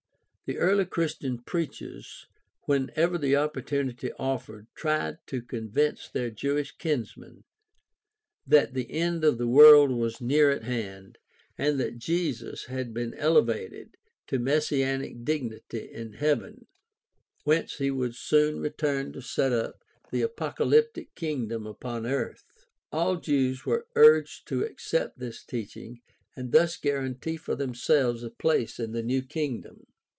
— The early Christian preachers, whenever the opportunity offered, tried to convince their Jewish kinsmen that the end of the world was near at hand and that Jesus had been elevated to messianic dignity in heaven whence he would soon return to set up the apocalyptic king dom upon earth. All Jews were urged to accept this teaching 276 GUIDE TO STUDY OF CHRISTIAN RELIGION and thus guarantee for themselves a place in the new kingdom.